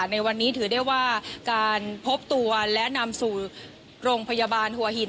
ในวันนี้ถือได้ว่าการพบตัวและนำสู่โรงพยาบาลหัวหิน